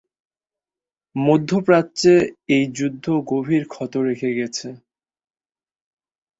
মধ্যপ্রাচ্যে এই যুদ্ধ গভীর ক্ষত রেখে গেছে।